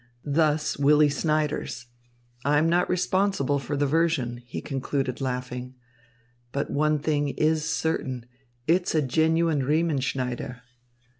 Thus, Willy Snyders. I am not responsible for the version," he concluded laughing. "But one thing is certain, it's a genuine Riemenschneider."